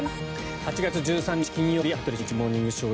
８月１３日、金曜日「羽鳥慎一モーニングショー」。